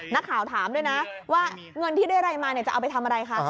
นักข่าวถามด้วยนะว่าเงินที่ได้อะไรมาจะเอาไปทำอะไรคะ